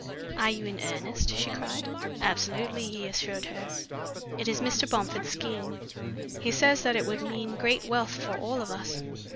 "Are you in earnest?" she cried. "Absolutely," he assured her. "It is Mr. Bomford's scheme. He says that it would mean great wealth for all of us.